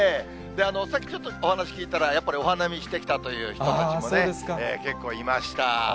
さっきちょっとお話聞いたら、やっぱりお花見してきたという人たちもね、結構いました。